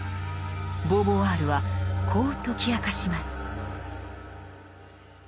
ボーヴォワールはこう解き明かします。